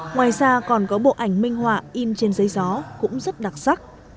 ngoài ra còn có bộ ảnh minh họa in trên giấy gió cũng rất đặc sắc